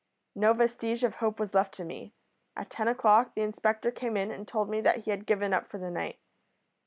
No vestige of hope was left to me. At ten o'clock the inspector came in and told me that he had given up for the night.